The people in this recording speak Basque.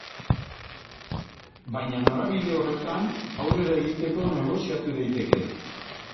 Baina norabide horretan aurrera egiteko negoziatu daiteke.